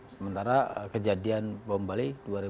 sementara kejadian bom bali